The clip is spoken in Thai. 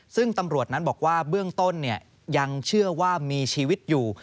ซึ่งตำรวจนั้นบอกว่าเบื้องต้นยังเชื่อว่ามีชีวิตอยู่